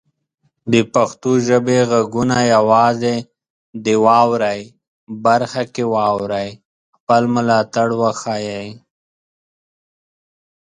د پښتو ژبې غږونه یوازې د "واورئ" برخه کې واورئ، خپل ملاتړ وښایئ.